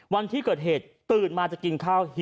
วันที่เกิดเหตุตื่นมาจะกินข้าว